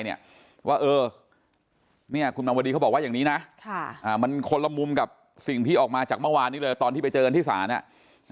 เนี่ยคุณนวดีบอกว่าอย่างนี้นะมันคนละมมกับสิ่งที่ออกมาจากเมื่อวานนี่เลยตอนที่ไปเจอเอิญที่ศาเนี่ย